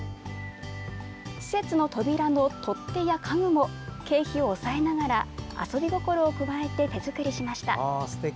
施設の扉の取っ手や家具も経費を抑えながら遊び心を加えて手作りました。